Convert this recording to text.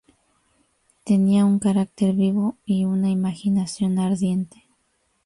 Tenía un carácter vivo y una imaginación ardiente.